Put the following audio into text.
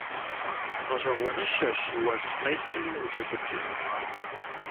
Гъэщӏэгъуэныщэщ уэс къесым укӏэлъыплъыну.